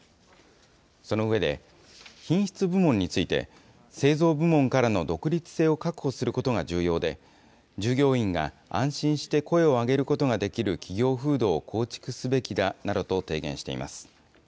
その上で、品質部門について、製造部門からの独立性を確保することが重要で、従業員が安心して声を上げることができる企業風土を構築すべきだなどと提言しています。